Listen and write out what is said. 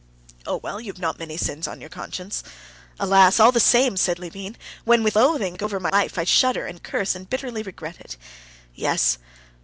"Oh, well, you've not many sins on your conscience." "Alas! all the same," said Levin, "when with loathing I go over my life, I shudder and curse and bitterly regret it.... Yes."